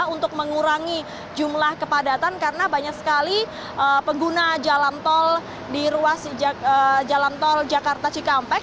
untuk mengurangi jumlah kepadatan karena banyak sekali pengguna jalan tol di ruas jalan tol jakarta cikampek